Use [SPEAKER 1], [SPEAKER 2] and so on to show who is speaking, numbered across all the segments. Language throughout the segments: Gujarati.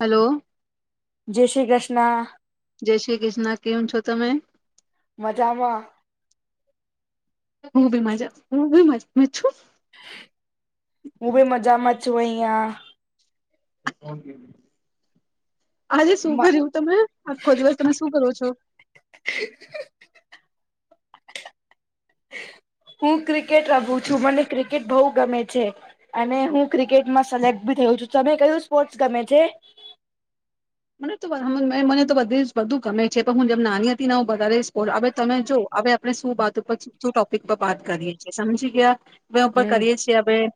[SPEAKER 1] હલો
[SPEAKER 2] જય શ્રી કૃષ્ણ
[SPEAKER 1] જય શ્રી કૃષ્ણ કેમ છો તમે
[SPEAKER 2] મજામાં
[SPEAKER 1] હું બી મજા હું બી મજા મા છું.
[SPEAKER 2] હું ભી મજામાં છુ અયા
[SPEAKER 1] [inaudible] આજે શું કર્યું તમે આખો દિવસ તમે શું કરો છો.
[SPEAKER 2] હું ક્રિકે ક્રિકેટ રમુ છું મને ક્રિકેટ બઉ ગમે છે અને હું ક્રિકેટમાં સિલેક્ટ ભી થયો છું તમે કયું સ્પોર્ટસ ગમે છે.
[SPEAKER 1] મને તો મને તો બધીજ બધું ગમે છે તો હું જેમ નાની હતી ને વધારે સ્પોર્ટ તમે જો હવે આપણે શું વાત ઉપર શું ટોપિક પર વાત કરીએ છે. સમજી ગયા અવે ઉપર
[SPEAKER 2] હમ
[SPEAKER 1] કરીએ છીએ આપણે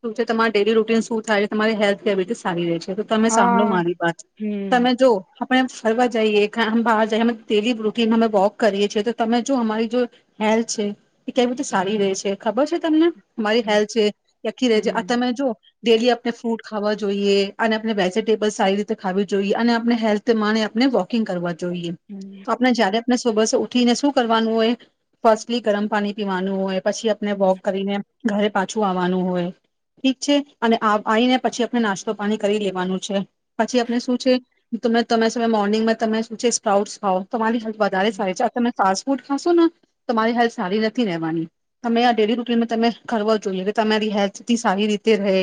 [SPEAKER 1] શું છે તમારી ડેલી રૂટીન શું થાય છે તમારી હેલ્થ કેબિલિટી સારી રહે છે. તો તમે સાંભળો
[SPEAKER 2] હા
[SPEAKER 1] મારી વાત
[SPEAKER 2] હમ
[SPEAKER 1] તમે જો પણ એમ પણ ફરવા જઈએ બહાર જઈએ અ ડેલી રૂટીન અમે વોક કરીએ છીએ તો તમે જો અમારી જો હેલ્થ છે એ કેવી રીતે સારી રહે છે ખબર છે તમને મારી
[SPEAKER 2] હમ
[SPEAKER 1] હેલ્થ છે એકખી રહે છે
[SPEAKER 2] હમ
[SPEAKER 1] આ તમે જો ડેલી આપણે ફ્રૂટ ખાવા જોઈએ અને આપણે વેજીટેબલ સારી રીતે ખાવી જોઈએ અને આપણે હેલ્થ માને આપને વોકિંગ કરવા જોઈએ
[SPEAKER 2] હમ
[SPEAKER 1] તો આપણે જયારે ને સુબસ ઉઠીને શું કરવાનું હોય ફર્સ્ટલી ગરમ પાણી પીવાનું હોય પછી આપને વોક કરીને ઘરે પાછું આવવાનું હોય ઠીક છે અને આવીને પછી આપણે નાસ્તો પાણી કરી લેવાનું છે પછી આપણે શું છે તમે તમે મોર્નિંગમાં તમે શું છે સ્પ્રાઉટ ખાવઓ તમારી વધારે
[SPEAKER 2] હમ
[SPEAKER 1] સારી છે આ તને સા ફૂડ ખાશો ને તોરી હેલ્થ સારી નથી રહેવાની તમે આ ડેલી રૂટીનમાં તમે ખરવચો જોઈએ કે તમારી હેલ્થથી સારી રીતે રહે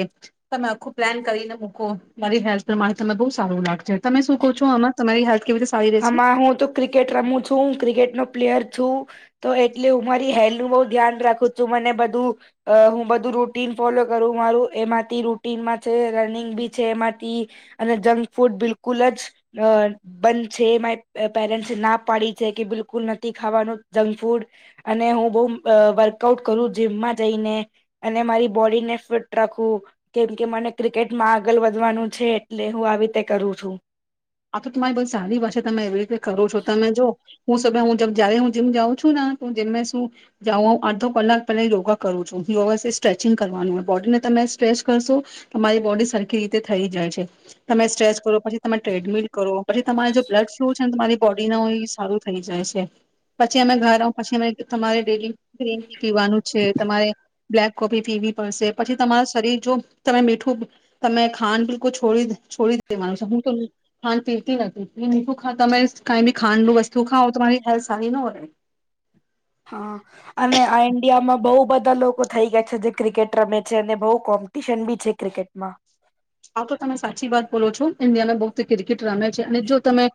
[SPEAKER 1] તમે આખું પ્લાન કરીને મૂકો મારી હેલ્થ પ્રમાણે તમે બોવ સારું લાગ છે તમે શું કહો છો આમા તમારી હેલ્થ કેવી રીતે સારી રહેશે
[SPEAKER 2] આમાં હું તો ક્રિકેટ રમું છું હું ક્રિકેટનો પ્લેયર છું. તો એટલે હું મારી [unintelligible] ધ્યાન રાખું છું. મને બધું અ હું બધું રૂટિન ફોલો કરું મારું એમાંથી રૂટિનમાં છે રનિંગ બી છે એમાંથી અને જંક ફૂડ બિલકુલ જ બંધ છે. મારી પેરેન્ટસ એ ના પાડી છે કે બિલકુલ નથી ખાવાનું જંક ફૂડ અને હું બઉ વર્કઆઉટ કરું જીમમાં જઈને અને મારી બોડીને ફિટ રાખું કેમકે મને ક્રિકેટમાં આગળ વધવાનું છે એટલે હું આવી રીતે કરું છું.
[SPEAKER 1] આ તો તમેં બસ સારી પાસે તમે એવી રીતે કરો છો તમે જો હું સ હું જયારે હું જીમ જાઉં છું ને તો જીમ શું જા અડધો કલાક પહેલા યોગા કરું છું યોગા સ્ટ્રેચિંગ કરવાનું હોય બોડીને તમે સ્ટ્રેચ કરશો તમારી બોડી સરખી રીતે થઈ જાય છે. તમે સ્ટ્રેચ કરો પછી તમે ટ્રેડમિલ કરો પછી તમારે જો બ્લડ ફ્લુ છે ને તમારી બોડી ના સારું થઈ જાય છે. પછી અમે ઘર પછી અમે તમારે ડેલી ગ્રીન ટી પીવાનું છે. તમારે બ્લેક કોફી પીવી પડશે પછી તમાર શરીર જો તમે મીઠું તમે ખાંડ બિલકુલ છોડી છોડી દેવાનું છે હું તો ખાંડ પીરતી નથી [unintelligible] તમે કઈ બી ખાંડનું વસ્તુ ખાાવ તો તમારી હેલ્થ સારી ન હોય
[SPEAKER 2] હા અને આ ઇન્ડિયામાં બોવ બ ધા લોકો થઈ ગયા છે જે ક્રિકેટ રમે છે અને બોવ કોમ્પિટિશન બી છે ક્રિકેટમાં.
[SPEAKER 1] આ તો તમે સાચી વાત બોલો છો ઇન્ડિયામાં બહુ ક્રિકેટ રમે છે અને જો તમે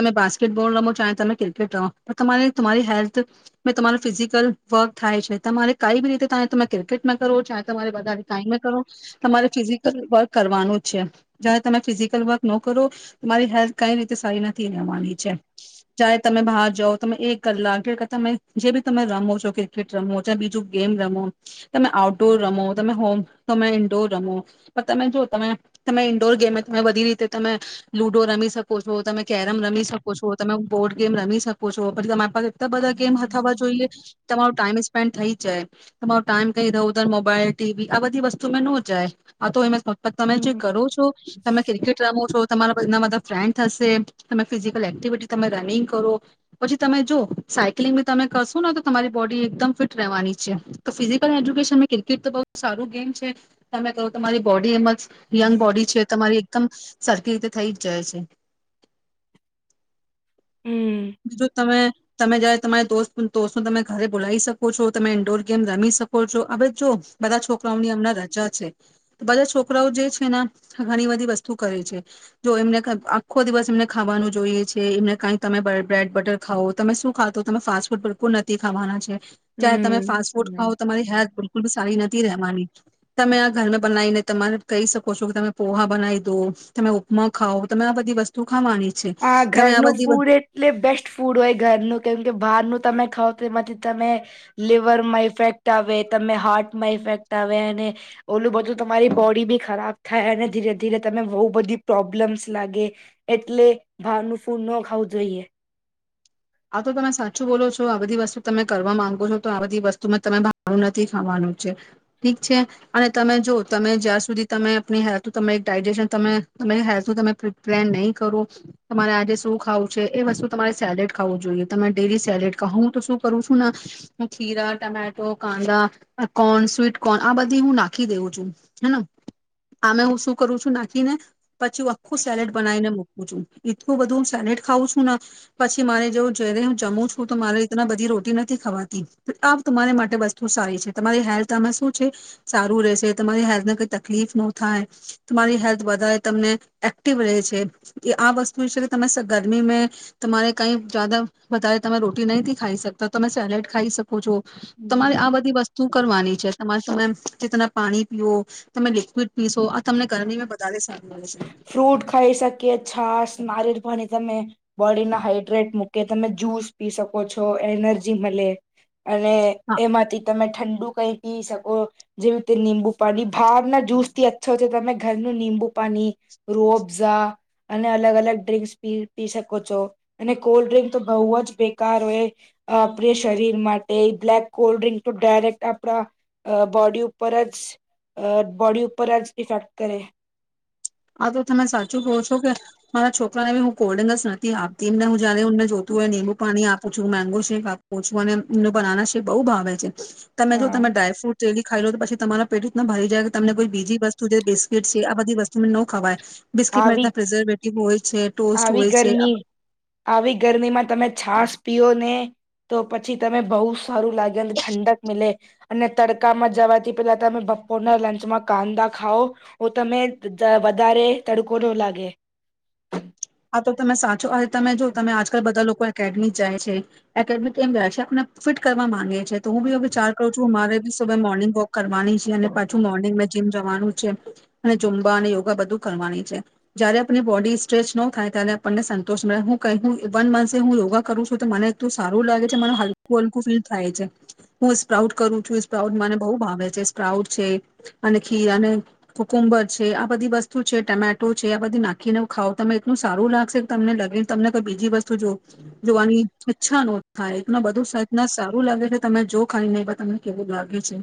[SPEAKER 1] તમે બાસ્કેટબોલ રમો છો તમે ક્રિકેટ રમો પણ તમારે તમારી હેલ્થ મે તમાર ફિઝિકલ વર્ક થાય છે. તમારે કઈ બી રીતે ત તમે ક્રિકેટમાં કરો છો તમારે ટાઈમેં કરો તમારે ફિઝિકલ વર્ક કરવાનું જ છે જ્યારે તમે ફિઝિકલ વર્ક ન કરો તમારી હેલ્થ કઈ રીતે સારી નથી રહેવાની છે. જ્યારે તમે બહાર જાઓ તમે એક કલાક કે તમે જે બી તમે રમો છો ક્રિકેટ રમો બીજું ગેમ રમો તમે આઉટડોર રમો તમે હોમ તમે ઈન્ડોર રમો તમે જો તમે તમે ઈન્ડોર ગેમે તમે બધી રીતે તમે લુડો રમી શકો છો. તમે કેરમ રમી શકો છો. તમે બોર્ડ ગેમ રમી શકો છો પછી તમારી પાસે બધા ગેમ હથાવવા જોઈએ. તમારો ટાઈમ સ્પેન્ડ થઈ જાય તમારો ટાઈમ કઈ ઇધર ઉધર મોબાઈલ ટીવી આ બધી વસ્તુ મે નો જાય આ તો એ તમે જે
[SPEAKER 2] હમ
[SPEAKER 1] કરો છો તમે ક્રિકેટ રમો છો તમારા બધ બધા ફ્રેન્ડ હશે તમે ફિઝિકલ એક્ટિવિટી તમે રનિંગ કરો પછી તમે જો સાયકલિંગ બી તમે કરશો ને તો તમારી બોડી એકદમ ફિટ રહેવાની છે. તો ફિઝિકલ એજ્યુકેશન ક્રિકેટ તો બહ સારું ગેમ છે તમે કો તમારી બોડી એમાં યંગ બોડી છે તમારી કમ સરખી રીતે થઈ જાય છે.
[SPEAKER 2] હમ
[SPEAKER 1] [inaudible] તમે તમે જારે તમારી દોસ્ત દોસ્તું તમે ઘરે બોલાવી શકો છો તમે ઈન્ડોર ગેમ રમી શકો છો હવે જો બધા છોકરાઓની અમના રજા છે તો બધા છોકરાઓ જે છે ને ઘણી બધી વસ્તુ કરે છે જો એમને આખો દિવસ એમને ખાવાનું જોઈએ છે એમને કઈ તમે બ્રેડ બટર ખાવો તમે શું ખાવો તો તમે ફાસ્ટ ફૂડ બિલકુલ નથી ખાવાના છે તે તમે
[SPEAKER 2] હમ
[SPEAKER 1] ફાસ્ટ ફૂડ
[SPEAKER 2] હમ
[SPEAKER 1] ખાવો તમારી હેલ્થ બિલકુલ બી સારી નથી રહેવાની. તમે આ ઘરમાં બનાવીને તમારે કહી શકો છો કે તમે પોહા બનાવી દો તમે ઉપમા ખાવો તમે આ બધી વસ્તુ ખાવાની છે
[SPEAKER 2] આ
[SPEAKER 1] તમે
[SPEAKER 2] ઘરનું
[SPEAKER 1] બધી
[SPEAKER 2] ફૂડ એટલે બેસ્ટ ફૂડ હોય ઘરનું કેમ કે બહારનું તમે ખાવ તો એમાંથી તમે લિવર માં ઇફેક્ટ આવે તમે હાર્ટ માં ઇફેક્ટ આવે અને ઓલું બધું તમારી બોડી બી ખરાબ થાય અને ધીરે ધીરે તમે બઉ બધી પ્રોબ્લેમ્સ લાગે એટલે ભારનું ફૂડ ન ખાવું જોઈએ.
[SPEAKER 1] આ તો તમે સાચું બોલો છો આ બધી વસ્તુ તમે કરવા માંગો છો તો આ બધી વસ્તુમાં તમે [unintelligible] નથી ખાવાનું છે ઠીક છે અને તમે જો તમે જ્યાં સુધી તમે હેલ્થ તમે ડાયજેશન તમે તમે હેલ્થ તમે પ્લેન નહઈ કરો તમારા આજે શું ખાવું છે એ વસ્તુ તમારી સેલેડ ખાવું જોઈએ. તમે ડેરી સેલેડ ખાઓ હું તો શું કરું છું ને હું ખીરા ટમેટો કાંદા કોર્ન સ્વીટ કોર્ન આ બધી હું નાખી દેઉું છું હે ને આમે હું શું કરું છું નાખીને પછી હું આખો સેલેડ બનાઈને મૂક કુ છું એટલું બધું સેલડ ખાઉં છું ના પછ મારે જવ- જયારે હું જમુ છું તો મારે [unintelligible] બધી રોટી નથી ખવાતી. આ તમારે માટે વસ્તુ સારી છે તમારી હેલ્થ આમે શું છે સારું રહેશે તમારી હેલ્થને કઈ તકલીફ ન થાય તમારી હેલ્થ વધારે તમને એક્ટિવ રહે છે એ આ વસ્તુ એ છે કે તમે ગરમીમેં તમારે કઈ જદા વધારે તમે રોટી નહીંથી ખાઈ શકતા તમે સેલેડ ખાઈ શક ખો છો
[SPEAKER 2] હમ
[SPEAKER 1] તમારે આ બઘી વસ્તુ કરવાની છે. તમારે તમે જેતના પાણી પીઓ તમે લિક્વિડ પીશો આ તમને ગરમીમાં વધારે સાર
[SPEAKER 2] ફ્રૂટ ખાઈ શકીએ છાસ મારી પણી તમે બોડીના હાઈડ્રેટ મૂકે તમે જ્યુસ પી શકો છો એનર્જી મલે અને
[SPEAKER 1] હા
[SPEAKER 2] એમાંથી તમે ઠં ડું કઈ પી શકો જેવી તે નીબું પાણી ભાવના જ્યૂસ થી અચ્છો છે તમે ઘરનું નીબું પાણી રુફઝા અને અલગ અલગ ડ્રિંકસ પી પી શકો છો અને કોલ્ડ ડ્રિંક તો બહુ જ બેકાર હોય આપરે શરીર માટે બ્લેક કોલ્ડ ડ્રિંક તો ડાયરેક્ટ આપરા અ બોડી ઉપર જ અ બોડી ઉપર જ ઇફેક્ટ કરે.
[SPEAKER 1] આ તો તમે સાચું કહો છો કે મારા છોકરાને બી હું [unintelligible] નથી આપતી એમને હું જયારે મને જોતું હોય નીબું પાણી આપું છું મેંગો શેક આપું છું અને બનાના શેક બઉ ભાવે છે. તમે જો
[SPEAKER 2] હા
[SPEAKER 1] તમે ડ્રાયફ્રુટ જેલી ખાઈ લો તો પછી તમારા પેટુ ન ભરી જાય કે તમને કોઈ બીજી બસ [unintelligible] બિસ્કિટ છે આ બધી વસ તમે ન ખવાય
[SPEAKER 2] આવી
[SPEAKER 1] પ્રિઝર્વેટિવ હોય છે ટોસ્ટ
[SPEAKER 2] આવી
[SPEAKER 1] હોય છે આ
[SPEAKER 2] ગરમી આવી ગરમીમાં તમે છાસ પીઓ ને તો પછી તમે બહુ સારું લાગે અને ઠંડક મિલે અને તડકામાં જવાથી પેલા તમે બપોરના લંચમાં કાંદા ખાઓ તો તમે વધારે તડકો ન લાગે.
[SPEAKER 1] આ તો તમે સાચો, હ તમે જો તમે આજકાલ બધા લોક [unintelligible] કેડમી જાય છે. એકેડમી કેમ જાય છે આપને ફિટ કરવા માંગે. છે તો હું બી હવે વીચાર કરું છું મારે સુબે મોર્નિંગ વોક કરવાની છે અને પાછું મોર્નિંગ મે જીમ જવાનું છે અને ઝુંબા અને યોગા બધું કરવાની છે જયારે આપની બોડી સ્ટ્રેચ નો થાય ત્યારે આપણને સંતોષ ન હું કઈ વન મંથ હું યોગા કરું છું તો મને સારું લાગે છે મને હલકું હલકું ફીલ થાય છે. હું સ્પ્રાઉટ કરું છું સ્પ્રાઉટ મને બહુ ભાવે છે સ્પ્રાઉટ છે અને ખીર અને કકુંબર છે આ બધી વસ્તુ છે ટમેટો છે આ બધી નાખીને ખાવ તમે એટલું સારું લાગશે તમને લગે તમને કોઈ બીજી વસ્તુ જો જોવાની ઈચ્છા ન થાય એ બધું સારું લાગે છે તમે જો ખાઈનેહી તમને કેવું લાગે છે.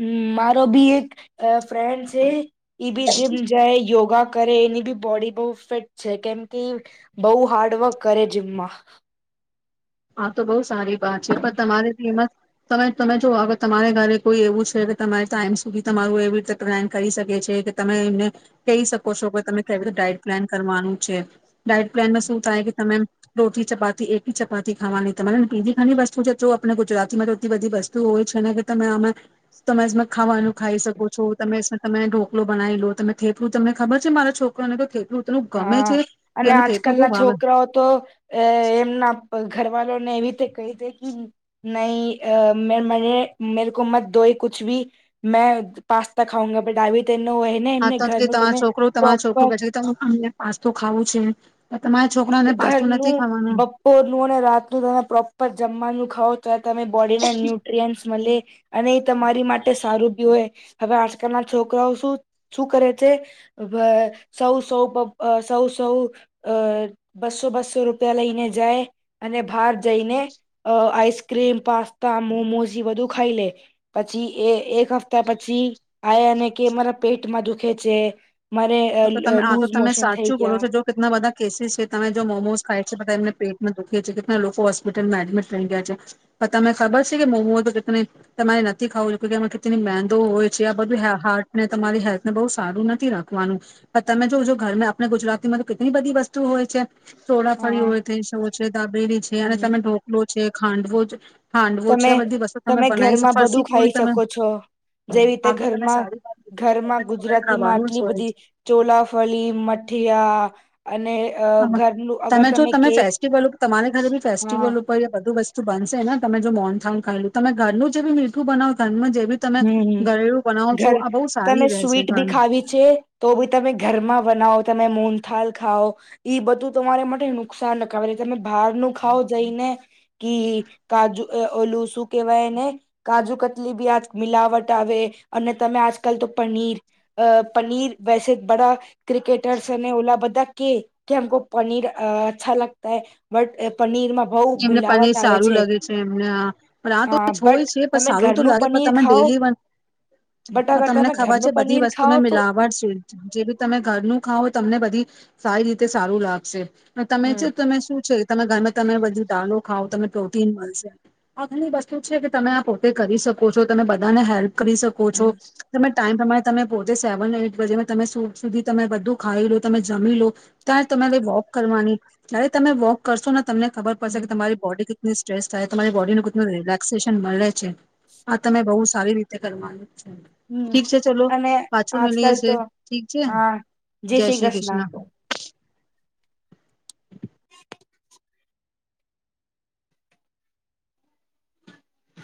[SPEAKER 2] હમ્મ મારો બી એક અ ફ્રેન્ડ છે, એબી જીમ જાય યોગા કરે એની બી બોડી બહ ફિટ છે કેમકે બહુ હાર્ડવર્ક કરે જીમમાં.
[SPEAKER 1] હા તો બઉુ સારી વાત છે પણ તમારે તેમાં તમે તમે જો અગર તમારે ઘરે કોઈ એવું છે કે તમારે ટાઈમ સુધી તમારું એવી રીતે પ્લાન કરી શકે છે કે તમે એમને કહી શકો છો કે તમે કેવી રીતે ડાયટ પ્લાન કરવાનું છે ડાયટ પ્લાનમાં શું થાય કે તમે રોટી ચપાતી એકી ચપાતી ખાવાની તમારે પીધી ખાની વસ્તુ છે જો આપણે ગુજરાતી માં તો એટલી બધી વસ્તુ હોય છે ને કે તમે આમે તમે એમાં ખાવાનું ખાઈ શકો છો તમે તમે ઢોકલો બનાવી લો તમે થેલું તમને ખબર છે મારા છોકરોને કે થેલું
[SPEAKER 2] હા અને આજકાલ ના છોકરાઓ તો એમના ઘરવાલો ને એવી રીતે કહી દે નહી મે મેરે મેરેકો મત દો કુછ ભી મેં પાસ્તા ખાઉંગા બટ આ
[SPEAKER 1] હા તો તમારો છોકરો તમા
[SPEAKER 2] પ્રોપર
[SPEAKER 1] છોકરો બચ અમને પાસ્તો ખાવું છે. તમારા છોકરાને પાસ્તો
[SPEAKER 2] ઘરનું
[SPEAKER 1] નથી ખાવાનો
[SPEAKER 2] બપોરનું અને રાતનું તમે પ્રોપર જમવાનું ખાવ તો તમે બોડી ના ન્યુટ્રીયન્ટ મલે અને એ તમારી માટે સારું બી હોય હવે આજકાલના છોકરાઓ શું શું કરે છે સૌ સૌ સૌ સૌ અ બસો બસો રૂપિયા લઈને જાય અને બહાર જઈને આઈસક્રીમ, પાસ્તા, મોમોઝ એ બધું ખાઈ લે પછી એ એક હપ્તા પછી આવા ને કે મારા પેટમાં દુખે છે. મારે
[SPEAKER 1] હા તો તમે આ તો
[SPEAKER 2] લૂઝ
[SPEAKER 1] તમે
[SPEAKER 2] મોશન થઈ
[SPEAKER 1] સાચું બોલો
[SPEAKER 2] ગયા
[SPEAKER 1] છો જો કેટલા બધા કેસ છે તમે જો મોમોસ ખાઈ. છે બધા એમને પેટમાં દુખી છે કેટલા લોકો હોસ્પિટલમાં એડમિટ થહી ગયા છે પણ તમે ખબર છે કે મોમુ તો કેટલી તમારે નથી ખાવું કેમાં કેટલી મેંદો હોય છે આ બધું હાર્ટ ને તમારી હેલ્થને બઉ સારું નથી રાખવાનું. પણ તમે જો જો ઘરમાં આપણે ગુજરાતી માં તો કેટલી બધી વસ્તુ હોય છે. ટોળાંફરી
[SPEAKER 2] હા
[SPEAKER 1] હોય થઈ છે દાબેલી છે અને
[SPEAKER 2] હમ
[SPEAKER 1] તમે ઢોકલો છે ખાંડભોજ
[SPEAKER 2] તમે તમે ઘરમાં બધું
[SPEAKER 1] ફરસી
[SPEAKER 2] ખાઈ
[SPEAKER 1] પૂરી તમે
[SPEAKER 2] શકો છો જે રીતે
[SPEAKER 1] આ તો તમે
[SPEAKER 2] ઘરમાં
[SPEAKER 1] સારી વાત કીધી
[SPEAKER 2] ઘરમાં
[SPEAKER 1] તમારે
[SPEAKER 2] ગુજરાતીમાં
[SPEAKER 1] ખાવાનું
[SPEAKER 2] આટલી
[SPEAKER 1] જ હોય
[SPEAKER 2] બધી
[SPEAKER 1] છે
[SPEAKER 2] ચોલાફળી, મઠિયા અને અ ઘરનું અગર
[SPEAKER 1] તમે જો તમે
[SPEAKER 2] કેક
[SPEAKER 1] ફેસ્ટિવલ ઉપ તમારી ઘરે બી
[SPEAKER 2] હા
[SPEAKER 1] ફેસ્ટિવલ ઉપર બધું વસ બનશે ને તમે જો મૌન થાવ ખાયલું તમે ઘરનું જેવું મીઠું બનાવો ઘરનું જે બી તમે
[SPEAKER 2] હમ
[SPEAKER 1] ઘરેલું બનાવો છો
[SPEAKER 2] ઘર
[SPEAKER 1] આ બહુ સારી
[SPEAKER 2] તમે
[SPEAKER 1] રહેશે
[SPEAKER 2] સ્વીટ બી
[SPEAKER 1] ઘરનું
[SPEAKER 2] ખાવી છે તો બી તમે ઘરમાં બનાવો તમે મોનથાલ ખાવો ઈ બધું તમારા માટે નુકસાન નખાવે તમે બહાર નું ખાઓ જઈને કે કાજુ ઓલું શું કેવાય ને કાજુ કતલી બી આજ મિલાવટ આવે અને તમે આજકાલ તો પનીર અ પનીર વેસે બડા ક્રિકેટર્સ અને ઓલા બધા કે કે હમકો પનીર અ અચ્છા લગતા હે બટ પનીરમાં બહુ
[SPEAKER 1] એમને
[SPEAKER 2] મિલાવટ
[SPEAKER 1] પનીર
[SPEAKER 2] આવે
[SPEAKER 1] સારું લાગે છે એમને આ તો
[SPEAKER 2] હા
[SPEAKER 1] છ હોય
[SPEAKER 2] બટ
[SPEAKER 1] છે પણ
[SPEAKER 2] તમે
[SPEAKER 1] સારું તો
[SPEAKER 2] ઘરનું
[SPEAKER 1] લાગે પણ
[SPEAKER 2] પનીર
[SPEAKER 1] તમેં
[SPEAKER 2] ખાઓ
[SPEAKER 1] ડેલી
[SPEAKER 2] બટ
[SPEAKER 1] ના
[SPEAKER 2] અગર
[SPEAKER 1] તમને
[SPEAKER 2] તમે
[SPEAKER 1] ખબર છે
[SPEAKER 2] ઘરનું
[SPEAKER 1] બધી
[SPEAKER 2] પનીર
[SPEAKER 1] વસ્તુ
[SPEAKER 2] ખાઓ તો
[SPEAKER 1] મિલાવડ છે જે બી તમે ઘરનું ખાવ તમને બધી સારી રીતે સારું લાગશે. તમે છે
[SPEAKER 2] હમ
[SPEAKER 1] તમે શું છે તમે ગમે તમે બધું ચાલો ખાવ તને પ્રોટીન મળશે આ ઘણી વસ્તુ છે કે તમે આ પોતે કરી શકો છો તમે બધાને હેલ્પ કરી શકો છો
[SPEAKER 2] હમ
[SPEAKER 1] તમે ટાઈમ પ્રમાણે તમે પોતેે સેવન એઈટ બજે તમે સુ સુધી તમે બધું ખાઈ લો, તમે જમી લો, ત્યારે તમારે વોક કરવાની જ્યારે તમે વોક કરશો ને તમને ખ પડશે કે તમારી બોડી સ્ટ્રેસ થાય તમારી બોડી નું કેટલું રિલેક્સેશન મલે છે આ તમે બઉ સારી રીતે કરવાનું.
[SPEAKER 2] હમ
[SPEAKER 1] ઠીક છે ચલો
[SPEAKER 2] અને
[SPEAKER 1] પાછું મળીયે
[SPEAKER 2] આજકાલ
[SPEAKER 1] છે
[SPEAKER 2] તો
[SPEAKER 1] ઠીક છે
[SPEAKER 2] હા
[SPEAKER 1] જય શ્રી કૃષ્ણ.
[SPEAKER 2] [inaudible]